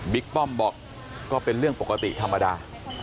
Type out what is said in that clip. ป้อมบอกก็เป็นเรื่องปกติธรรมดา